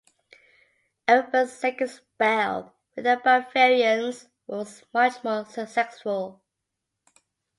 Effenberg's second spell with the Bavarians was much more successful.